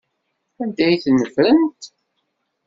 Anda ay ten-ffrent?